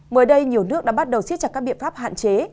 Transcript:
mới đây nhiều nước đã bắt đầu xích chặt các biện pháp hạn chế